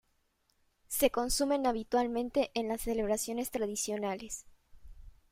Se consumen habitualmente en las celebraciones tradicionales.